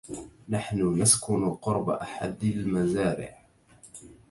نحن نسكن قرب أحد المزارع.